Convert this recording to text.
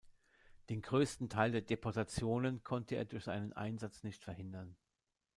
Den größten Teil der Deportationen konnte er durch seinen Einsatz nicht verhindern.